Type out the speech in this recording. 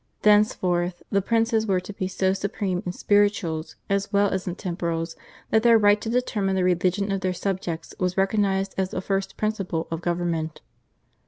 Thenceforth the princes were to be so supreme in spirituals as well as in temporals that their right to determine the religion of their subjects was recognised as a first principle of government.